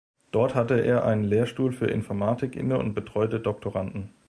Dort hatte er einen Lehrstuhl für Informatik inne und betreute Doktoranden.